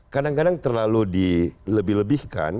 kadang kadang terlalu dilebih lebihkan